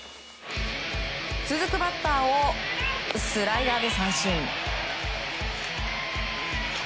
続くバッターをスライダーで三振。